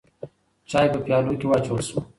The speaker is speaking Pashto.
چای په پیالو کې واچول شو.